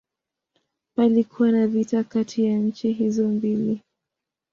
Palikuwa na vita kati ya nchi hizo mbili.